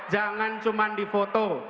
jangan cuma di foto